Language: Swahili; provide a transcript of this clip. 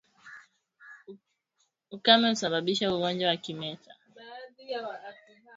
Ukame husababisha ugonjwa wa kimeta